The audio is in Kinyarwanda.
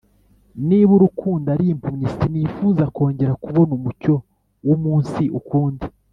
Niba urukundo ari impumyi sinifuza kongera kubona umucyo w’umunsi ukundi